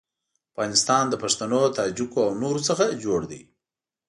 افغانستان له پښتنو، تاجکو او نورو څخه جوړ دی.